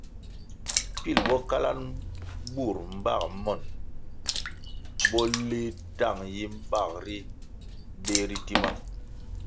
Pil bo kalanʼ bur mbag monʼ, bo leh tang yi mbag ri beh ri tima.